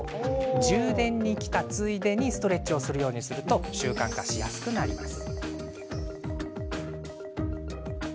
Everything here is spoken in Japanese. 充電に来たついでにストレッチをするようにすると習慣化しやすくなります。